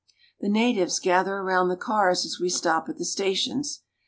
The natives gather around the cars as we stop at the stations.